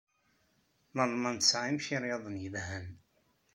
Lalman tesɛa imcirḍaren yelhan.